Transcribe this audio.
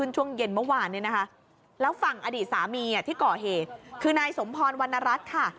ช่วงเย็นเมื่อวานเนี่ยนะคะแล้วฝั่งอดีตสามีที่ก่อเหตุคือนายสมพรวรรณรัฐค่ะ